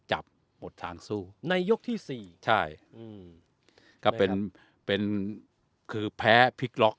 จับหมดทางสู้ในยกที่สี่ใช่อืมก็เป็นเป็นคือแพ้พลิกล็อก